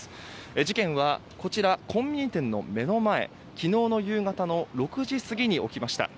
事件は、コンビニ店の目の前昨日の夕方の６時過ぎに起きました。